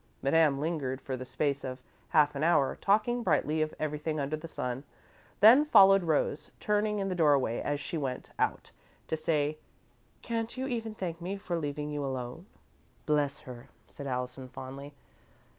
Madame lingered for the space of half an hour, talking brightly of everything under the sun, then followed Rose, turning in the doorway as she went out, to say: "Can't you even thank me for leaving you alone?" "Bless her," said Allison, fondly.